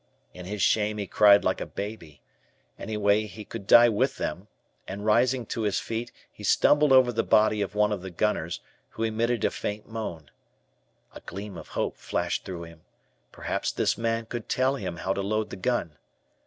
In his shame he cried like a baby. Anyway he could die with them, and, rising to his feet, he stumbled over the body, one of the gunners, who emitted a faint moan. A gleam of hope flashed through him. Perhaps this man could tell him how to load the gun.